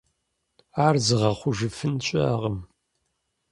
Ар зыгъэхъужыфын щыӀэкъым.